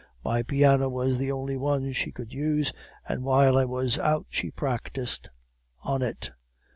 My piano was the only one she could use, and while I was out she practised on it.